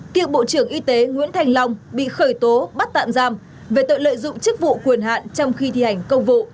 cựu bộ trưởng y tế nguyễn thành long bị khởi tố bắt tạm giam về tội lợi dụng chức vụ quyền hạn trong khi thi hành công vụ